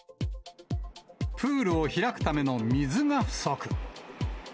プールを開くための水が不足。